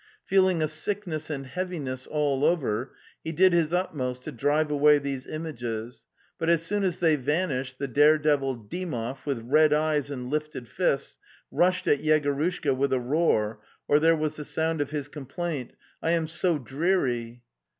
Feeling a sickness and heavi ness all over, he did his utmost to drive away these images, but as soon as they vanished the dare devil Dymov, with red eyes and lifted fists, rushed at Yegorushka with a roar, or there was the sound of his complaint: "I am so dreary!"